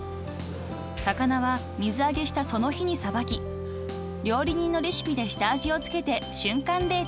［魚は水揚げしたその日にさばき料理人のレシピで下味を付けて瞬間冷凍］